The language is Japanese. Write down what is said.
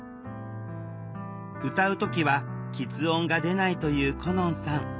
歌う時はきつ音が出ないという心杏さん。